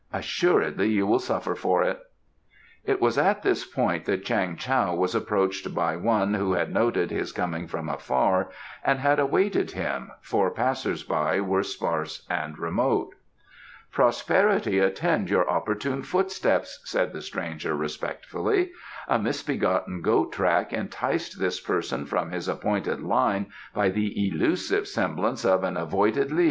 Assuredly you will suffer for it." It was at this point that Chang Tao was approached by one who had noted his coming from afar, and had awaited him, for passers by were sparse and remote. "Prosperity attend your opportune footsteps," said the stranger respectfully. "A misbegotten goat track enticed this person from his appointed line by the elusive semblance of an avoided li.